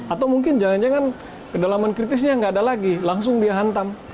atau mungkin jangan jangan kedalaman kritisnya nggak ada lagi langsung dihantam